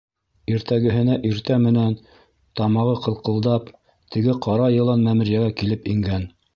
Иртәгеһенә иртә менән, тамағы ҡылҡылдап, теге ҡара йылан мәмерйәгә килеп ингән.